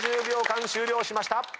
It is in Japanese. ３０秒間終了しました。